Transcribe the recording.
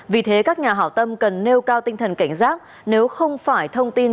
vì thế các nhà hảo tâm cần nêu cao tinh thần cảnh giác nếu không phải thông tin